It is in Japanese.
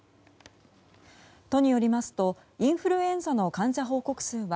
都によりますとインフルエンザの患者報告数は